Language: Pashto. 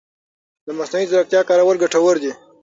د مصنوعي ځېرکتیا کارول ګټور دي.